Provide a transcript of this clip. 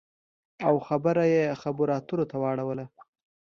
او خبره یې خبرو اترو ته واړوله